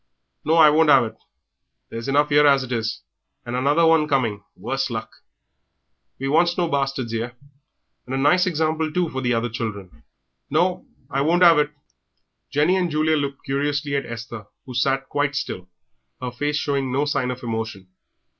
Now, I won't 'ave it; there's enough 'ere as it is, and another coming, worse luck. We wants no bastards 'ere.... And a nice example, too, for the other children! No, I won't 'ave it!" Jenny and Julia looked curiously at Esther, who sat quite still, her face showing no sign of emotion.